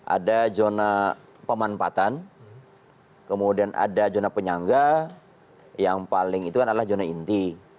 ada zona pemanfaatan kemudian ada zona penyangga yang paling itu kan adalah zona inti